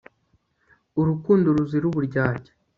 urukundo ruzira uburyarya